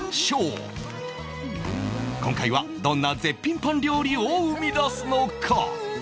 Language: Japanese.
今回はどんな絶品パン料理を生み出すのか？